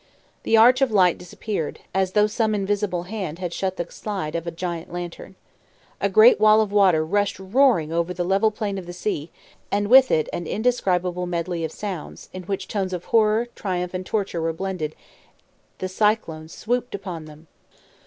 The arch of light disappeared, as though some invisible hand had shut the slide of a giant lantern. A great wall of water rushed roaring over the level plain of the sea, and with an indescribable medley of sounds, in which tones of horror, triumph, and torture were blended, the cyclone swooped upon them.